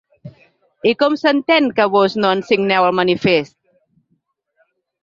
I com s’entén que vós no en signeu el manifest?